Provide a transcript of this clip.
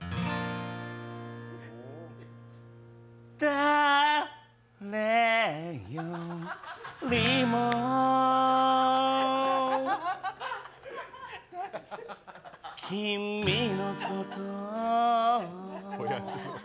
だ、れ、よりも君のことを